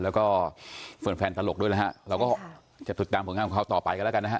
แล้วก็เฟิร์นแฟนตลกด้วยแล้วฮะเราก็จะตรวจการผลงานของเขาต่อไปกันแล้วกันนะฮะ